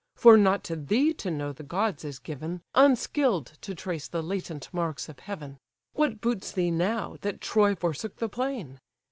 For not to thee to know the gods is given, Unskill'd to trace the latent marks of heaven. What boots thee now, that Troy forsook the plain?